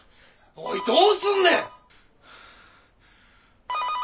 おいどうすんねん！